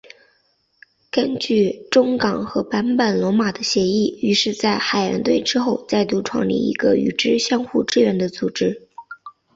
根据中冈和坂本龙马的协议于是在海援队之后再度创立一个与之相互支援的组织。